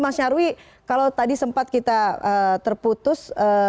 mas nyarwi kalau tadi sempat kita terputus